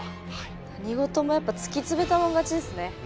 何事もやっぱ突き詰めたもん勝ちですね。